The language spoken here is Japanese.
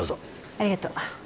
ありがとう。